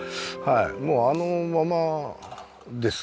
もうあのままです。